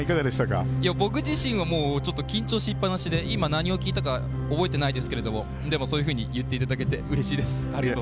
僕自身は緊張しっぱなしで今、何を聞いたか覚えてないですけどそういうふうに言っていただいてうれしいです。